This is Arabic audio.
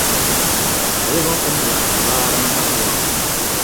عِظَةً وَاعْتِبَارًا تَقْوَى